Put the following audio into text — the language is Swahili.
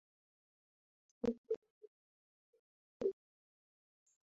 Chupa iliyoanguka ilivunjika